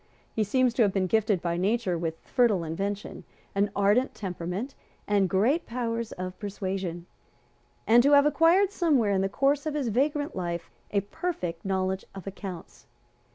He seems to have been gifted by nature with fertile invention, an ardent temperament and great powers of persuasion, and to have acquired somewhere in the course of his vagrant life a perfect knowledge of accounts.